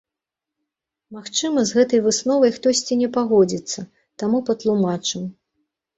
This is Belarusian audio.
Магчыма, з гэтай высновай хтосьці не пагодзіцца, таму патлумачым.